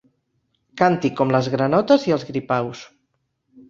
Canti com les granotes i els gripaus.